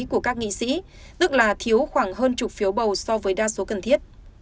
của các nghị sĩ tức là thiếu khoảng hơn chục phiếu bầu so với đa số cần thiết